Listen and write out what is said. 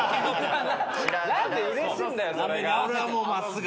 ・何でうれしいんだよそれが。